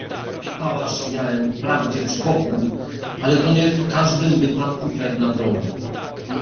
"Pałasz miałem wprawdzie przy boku, ale to nie w każdym wypadku pewna broń."